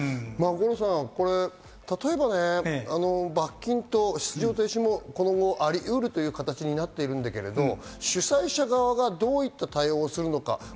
例えば、罰金と出場停止も今後ありうるという形になっていますが、主催者側がどういった対応をするのか。